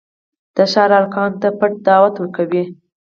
د ښار هلکانو ته پټ دعوت ورکوي.